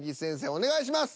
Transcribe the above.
お願いします。